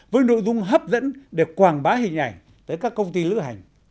với nội dung hấp dẫn để quảng bá hình ảnh tới các công ty lữ hành